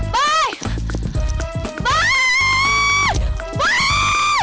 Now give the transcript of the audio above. boy jangan pergi dulu boy